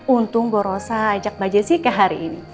untung mbak rossa ajak mbak jessica hari ini